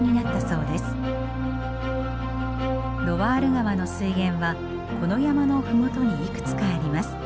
ロワール川の水源はこの山の麓にいくつかあります。